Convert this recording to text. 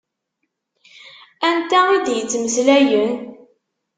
Anta i d-yettmeslayen?